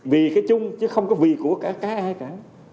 vì cái chung chứ không có vì của cả cá ai cả